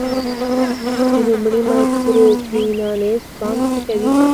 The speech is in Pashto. د لومړي مایکرو فینانس بانک څه کوي؟